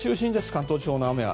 関東地方の雨は。